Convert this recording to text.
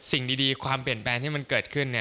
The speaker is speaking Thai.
สิ่งดีความเปลี่ยนแปลงที่มันเกิดขึ้น